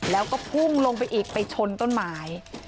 แล้วก็พุ่งลงไปอีกไปชนต้นไม้